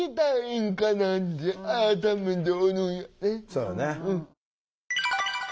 そうやね。